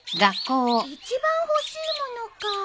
一番欲しい物か。